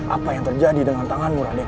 apa yang terjadi dengan tanganmu raden